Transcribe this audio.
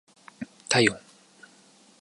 体温